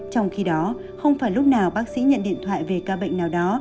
trong khi đó không phải lúc nào bác sĩ nhận điện thoại về ca bệnh nào đó